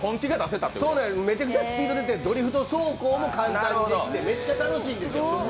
めちゃくちゃスピード出てドリフト走行も簡単にできてめっちゃ楽しいんですよ。